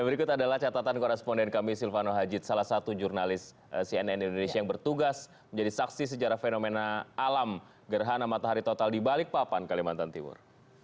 berikut adalah catatan koresponden kami silvano haji salah satu jurnalis cnn indonesia yang bertugas menjadi saksi sejarah fenomena alam gerhana matahari total di balikpapan kalimantan timur